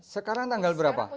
sekarang tanggal berapa